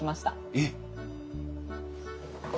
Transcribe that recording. えっ！